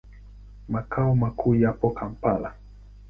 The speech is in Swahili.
Makao makuu yapo Kampala.